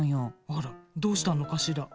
あら、どうしたのかしら。